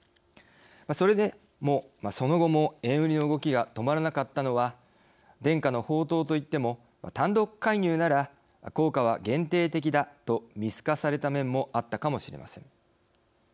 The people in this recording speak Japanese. それでもその後も円売りの動きが止まらなかったのは伝家の宝刀といっても単独介入なら効果は限定的だと見透かされた面もあったかもしれません。